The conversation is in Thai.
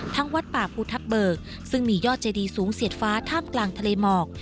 วัดป่าภูทับเบิกซึ่งมียอดเจดีสูงเสียดฟ้าท่ามกลางทะเลหมอก